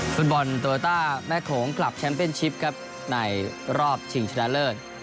ฟุตบอลโตโยต้าแม่โขงกลับแชมป์เป็นชิปครับในรอบชิงชนะเลิศ